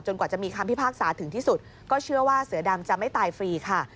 กว่าจะมีคำพิพากษาถึงที่สุดก็เชื่อว่าเสือดำจะไม่ตายฟรีค่ะ